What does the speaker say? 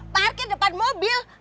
parkir depan mobil